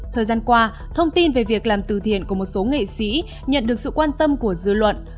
thời gian qua thông tin về việc làm từ thiện của một số nghệ sĩ nhận được sự quan tâm của dư luận